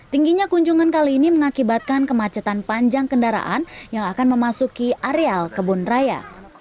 tingginya kunjungan kali ini mengakibatkan kemacetan panjang kendaraan yang akan memasuki areal kebun raya